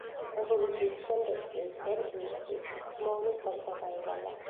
რევოლუციის შემდეგ კი ძერჟინსკის სმოლნის დაცვა დაევალა.